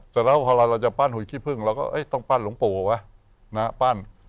แต่พอเราจะปั้นหุ่นขี้พึ่งเราก็ต้องปั้นหลวงปู่ว่ะปั้น